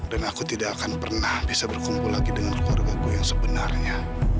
dan aku tidak akan pernah bisa berkumpul lagi dengan keluarga ku yang sebenarnya